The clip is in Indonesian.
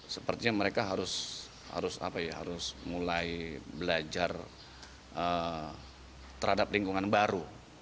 sepertinya mereka harus mulai belajar terhadap lingkungan baru